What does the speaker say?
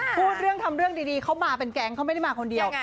พูดเรื่องทำเรื่องดีเขามาเป็นแก๊งเขาไม่ได้มาคนเดียวไง